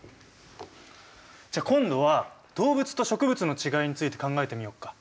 じゃあ今度は動物と植物のちがいについて考えてみようか。